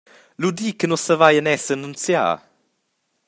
Lu di, che nus saveien era s’annunziar.